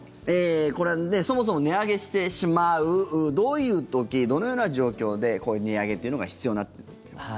これ、そもそも値上げしてしまうどういう時、どのような状況でこういう値上げというのが必要になるという。